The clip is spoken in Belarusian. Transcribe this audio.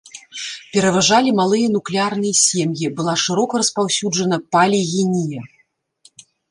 Пераважалі малыя нуклеарныя сем'і, была шырока распаўсюджана палігінія.